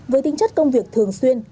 với tính chất công việc thường xuyên